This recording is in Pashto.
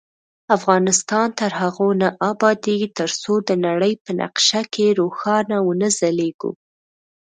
افغانستان تر هغو نه ابادیږي، ترڅو د نړۍ په نقشه کې روښانه ونه ځلیږو.